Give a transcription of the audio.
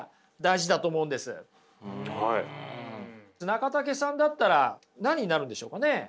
中武さんだったら何になるんでしょうかね？